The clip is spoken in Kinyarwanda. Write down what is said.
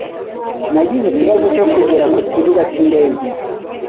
Nagize ikibazo cyo kugera ku kibuga cyindege.